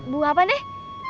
buah apaan deh